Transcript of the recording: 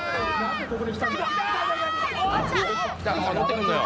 「乗ってくるのよ」